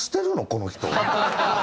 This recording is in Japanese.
この人は。